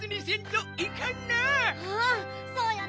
うんそうよね！